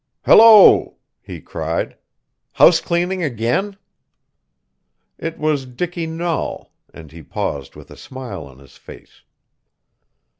"Hello!" he cried. "House cleaning again?" It was Dicky Nahl, and he paused with a smile on his face.